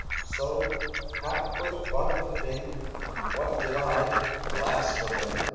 So, half for the fun of the thing, What did I (blasphemer!)